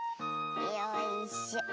よいしょ。